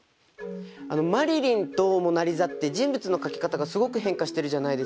「マリリン」と「モナ・リザ」って人物の描き方がすごく変化してるじゃないですか。